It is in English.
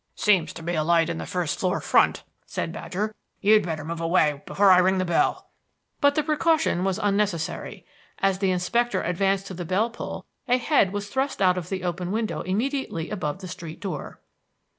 "Seems to be a light in the first floor front," said Badger. "You'd better move away before I ring the bell." But the precaution was unnecessary. As the inspector advanced to the bell pull a head was thrust out of the open window immediately above the street door.